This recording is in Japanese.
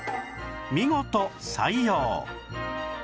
見事採用